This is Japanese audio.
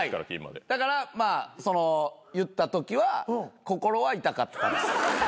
だから言ったときは心は痛かったです。